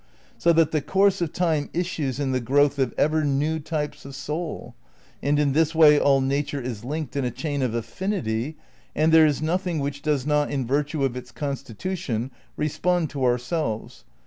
'".. .so that the course of Time issues in the growth of ever new types of soul, and in this way all nature is linked in a chain of affinity, and there is nothing which does not in virtue of its con stitution respond to ourselves